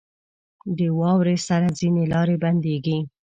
• د واورې سره ځینې لارې بندېږي.